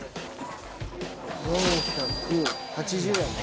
４８０円で。